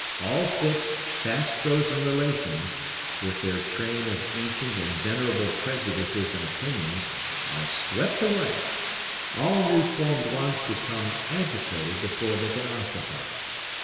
All fixed, fast frozen relations, with their train of ancient and venerable prejudices and opinions, are swept away, all new formed ones become antiquated before they can ossify.